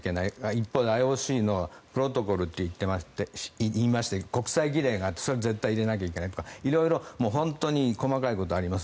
一方でＩＯＣのプロトコルといいまして国際儀礼が絶対入れなければいけないとか色々本当に細かいことがあります。